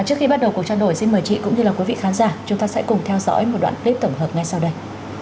trước khi bắt đầu cuộc trao đổi xin mời chị cũng như là quý vị khán giả chúng ta sẽ cùng theo dõi một đoạn clip tổng hợp ngay sau đây